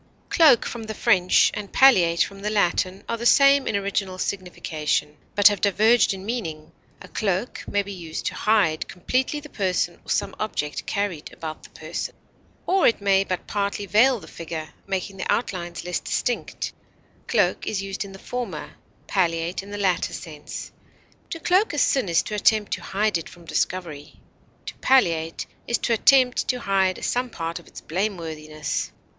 Cloak, from the French, and palliate, from the Latin, are the same in original signification, but have diverged in meaning; a cloak may be used to hide completely the person or some object carried about the person, or it may but partly veil the figure, making the outlines less distinct; cloak is used in the former, palliate, in the latter sense; to cloak a sin is to attempt to hide it from discovery; to palliate it is to attempt to hide some part of its blameworthiness.